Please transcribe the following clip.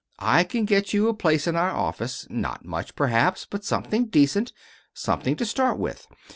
I can get you a place in our office not much, perhaps, but something decent something to start with.